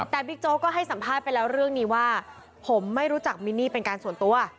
แต่บิ๊กโจ๊กก็ให้สัมภาษณ์ไปแล้วเรื่องนี้ว่าผมไม่รู้จักมินนี่เป็นการส่วนตัว